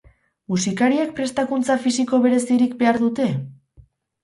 Musikariek prestakuntza fisiko berezirik behar dute?